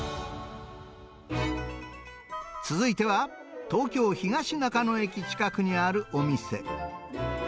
続いては、東京・東中野駅近くにあるお店。